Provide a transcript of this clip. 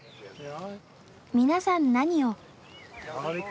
皆さん何を？